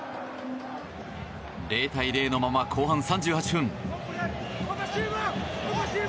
０対０のまま後半３８分。